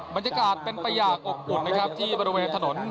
บรรยากาศเป็นไปอย่างอบอุ่นนะครับที่บริเวณถนน